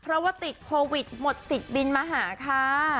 เพราะว่าติดโควิดหมดสิทธิ์บินมาหาค่ะ